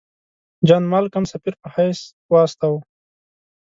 جان مالکم سفیر په حیث واستاوه.